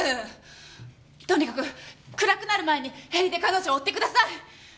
とにかく暗くなる前にヘリで彼女を追ってください！